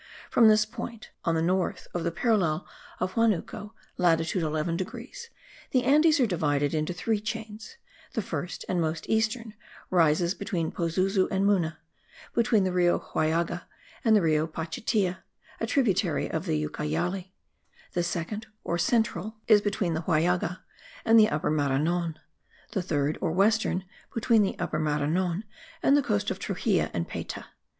From this point, on the north of the parallel of Huanuco (latitude 11 degrees), the Andes are divided into three chains: the first, and most eastern, rises between Pozuzu and Muna, between the Rio Huallaga, and the Rio Pachitea, a tributary of the Ucayali; the second, or central, is between the Huallaga, and the Upper Maranon; the third, or western, between the Upper Maranon and the coast of Truxillo and Payta.